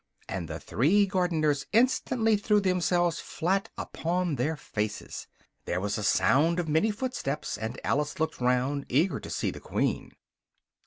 and the three gardeners instantly threw themselves flat upon their faces. There was a sound of many footsteps, and Alice looked round, eager to see the Queen.